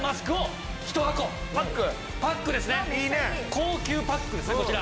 高級パックですねこちら。